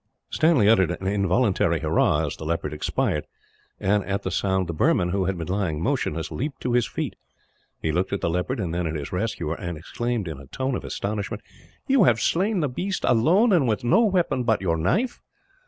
Stanley uttered an involuntary hurrah as the leopard expired; and at the sound the Burman, who had been lying motionless, leapt to his feet. He looked at the leopard, and then at his rescuer, and exclaimed in a tone of astonishment: "You have slain the beast alone, and with no weapon but your knife!"